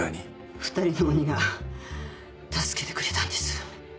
２人の鬼が助けてくれたんです。